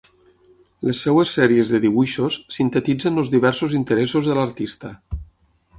Les seves sèries de dibuixos sintetitzen els diversos interessos de l'artista.